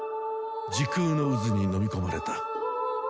時空の渦にのみ込まれた。